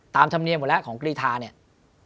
ธรรมเนียมหมดแล้วของกรีธาเนี่ย